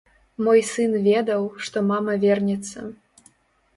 Мой сын ведаў, што мама вернецца.